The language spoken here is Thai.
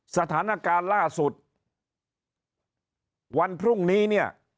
สถานการณ์ล่าสุดวันพรุ่งนี้เนี่ย